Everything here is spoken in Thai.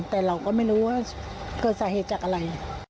แต่เราก็ไม่รู้ว่าเกิดสาเหตุจากอะไร